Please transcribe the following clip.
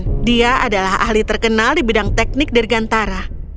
ini adalah ahli terkenal di bidang teknik di argantara